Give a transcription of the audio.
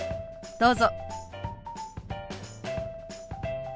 どうぞ。